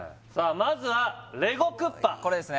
まずはＬＥＧＯクッパこれですね